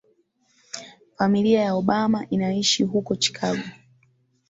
Familia ya Obama inaishi huko Chicago